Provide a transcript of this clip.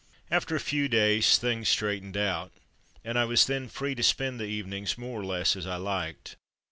After a few days things straightened out, and I was then free to spend the evenings more or less as I liked.